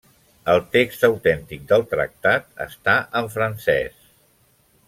El text autèntic del Tractat està en francès.